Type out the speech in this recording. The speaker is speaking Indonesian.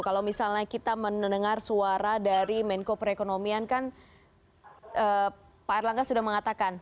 kalau misalnya kita mendengar suara dari menko perekonomian kan pak erlangga sudah mengatakan